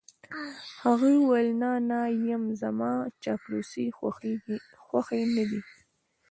هغې وویل: نه، نه یم، زما چاپلوسۍ خوښې نه دي.